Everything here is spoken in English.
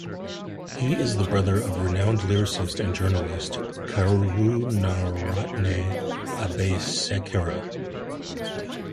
He is the brother of the renowned lyricist and journalist Karunaratne Abeysekera.